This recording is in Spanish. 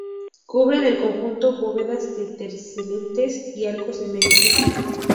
Cubren el conjunto bóvedas de terceletes y arcos de medio punto.